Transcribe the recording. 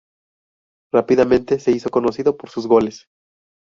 Rápidamente se hizo conocido por sus goles.